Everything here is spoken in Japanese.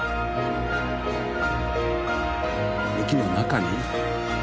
駅の中に？